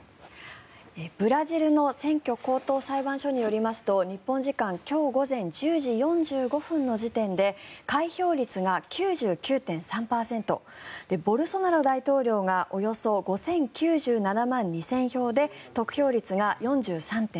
ブラジルの選挙高等裁判所によりますと日本時間今日午前１０時４５分の時点で開票率が９９．３％ボルソナロ大統領がおよそ５０９７万２０００票で得票率が４３．３％。